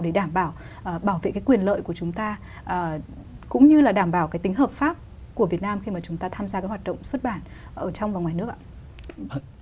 để đảm bảo bảo vệ cái quyền lợi của chúng ta cũng như là đảm bảo cái tính hợp pháp của việt nam khi mà chúng ta tham gia cái hoạt động xuất bản ở trong và ngoài nước ạ